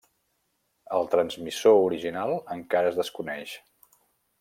El transmissor original encara es desconeix.